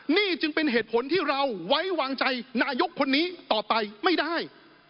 นี่จึงเป็นเหตุผลที่เราไว้วางใจนายกคนนี้ต่อไปไม่ได้